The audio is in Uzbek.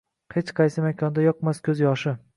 Hech qaysi makonda yoqmas ko‘z yoshi.